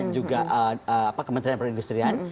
juga kementerian perindustrian